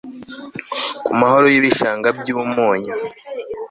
ku mahoro y'ibishanga by'umunyu